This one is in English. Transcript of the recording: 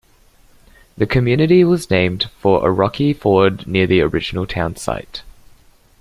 The community was named for a rocky ford near the original town site.